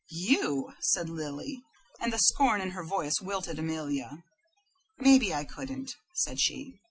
"You!" said Lily, and the scorn in her voice wilted Amelia. "Maybe I couldn't," said she.